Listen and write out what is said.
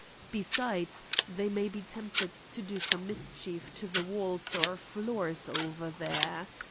Besides, they may be tempted to do some mischief to the walls or floors over there.